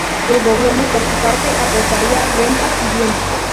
El gobierno, por su parte, aportaría rentas y bienes.